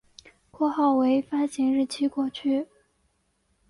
括号为发行日期过去